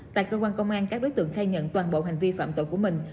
tại cơ quan công an các đối tượng khai nhận toàn bộ hành vi phạm tội của mình